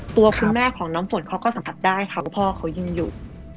ตัวคุณแม่ของน้ำฝนเขาก็สัมผัสได้ค่ะว่าพ่อเขายังอยู่